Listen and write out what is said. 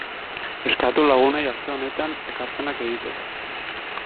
Eskatu lagunei aste honetan ekarpenak egiteko.